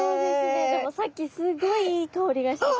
でもさっきすごいいい香りがしてたの。